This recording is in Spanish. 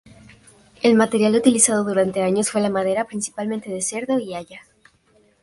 El material utilizado durante años fue la madera, principalmente de cedro y haya.